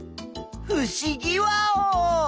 ふしぎワオ！